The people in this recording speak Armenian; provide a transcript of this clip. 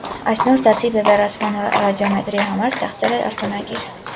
Այս նոր դասի բևեռացման ռադիոմետրի համար ստացել է արտոնագիր։